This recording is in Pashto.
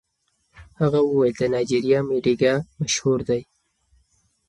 هغه وویل د نایجیریا مډیګا مشهور دی.